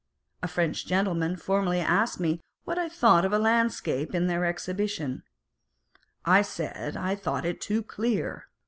A French gentleman formerly asked me what I thought of a landscape in their Exhibition. I said I thought it too clear.